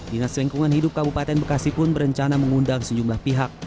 dinas lingkungan hidup kabupaten bekasi pun berencana mengundang sejumlah pihak